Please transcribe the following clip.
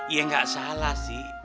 ya gak salah sih